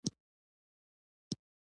ګاونډي عثمان جان پاچا اکبر جان ته غږ کړل.